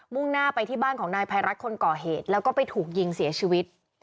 ่งหน้าไปที่บ้านของนายภัยรัฐคนก่อเหตุแล้วก็ไปถูกยิงเสียชีวิต